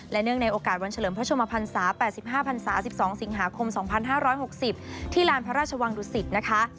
เนื่องในโอกาสวันเฉลิมพระชมพันศา๘๕พันศา๑๒สิงหาคม๒๕๖๐ที่ลานพระราชวังดุสิตนะคะ